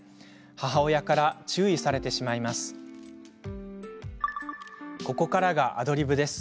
母親から注意されてしまいます。